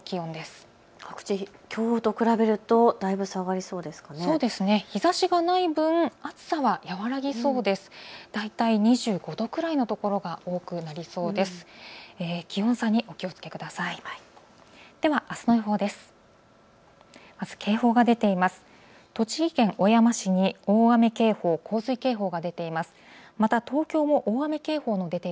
気温差にお気をつけください。